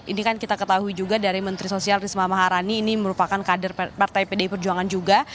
ini kan kita ketahui juga dari menteri sosial risma maharani ini merupakan kader partai pdi perjuangan juga